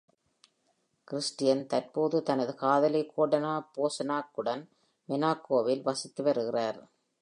Christian தற்போது தனது காதலி கோர்டனா போசனாக் உடன் மொனாக்கோவில் வசித்து வருகிறார்.